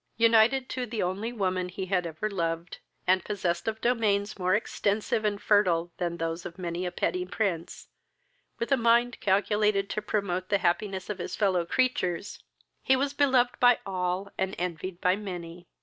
United to the only woman he had ever loved, and possessed of domains more extensive and fertile than those of many a petty prince, with a mind calculated to promote the happiness of his fellow creatures, he was beloved by all, and envied by many.